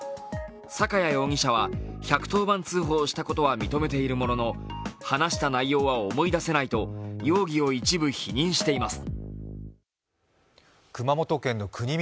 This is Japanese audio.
坂屋容疑者は１１０番通報したことは認めているものの話した内容は思い出せないと容疑を一部否認しています。